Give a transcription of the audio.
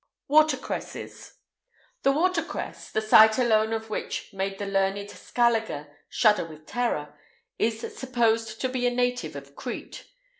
WATER CRESSES. The water cress, the sight alone of which made the learned Scaliger shudder with terror, is supposed to be a native of Crete.